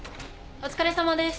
お疲れさまです。